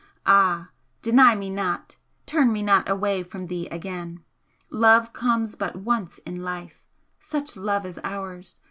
Ah, deny me not! turn me not away from thee again! love comes but once in life such love as ours!